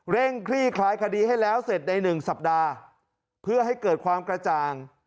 คลี่คลายคดีให้แล้วเสร็จในหนึ่งสัปดาห์เพื่อให้เกิดความกระจ่าง